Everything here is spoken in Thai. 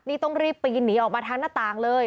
นี่ต้องรีบปีนหนีออกมาทางหน้าต่างเลย